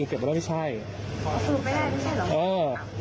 เอาสรุปไปได้ไม่ใช่หรอ